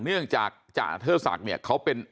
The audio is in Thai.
เนื่องจากจ่าเทอร์ศักดิ์เนี่ยเขาเป็น